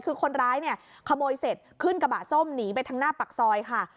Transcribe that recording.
คือคนร้ายเนี่ยขโมยเสร็จขึ้นกระบะส้มหนีไปทางหน้าปากซอยค่ะ